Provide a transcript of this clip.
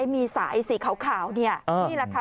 มีสายสีขาวนี่แหละค่ะ